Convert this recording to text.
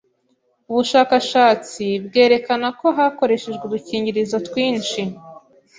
ubushakashatsi bwerekana ko hakoreshejwe udukingirizo twinshi